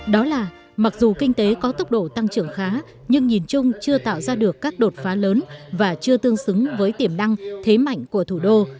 đó là mặc dù kinh tế có tốc độ tăng trưởng khá nhưng nhìn chung chưa tạo ra được các đột phá lớn và chưa tương xứng với tiềm năng thế mạnh của thủ đô